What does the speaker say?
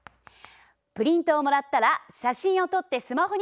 プリントをもらったら写真をとってスマホに保存してすてる。